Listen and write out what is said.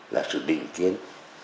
là sự định kiến